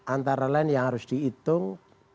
antara lain yang harus dihitung